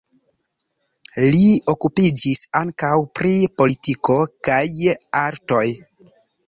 Li okupiĝis ankaŭ pri politiko kaj artoj.